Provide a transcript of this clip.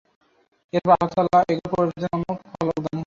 এরপর আল্লাহ তাআলা এগুলোর পরিবর্তে অন্য ফলক দান করেন।